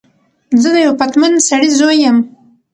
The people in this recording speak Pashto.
زه د یوه پتمن سړی زوی یم.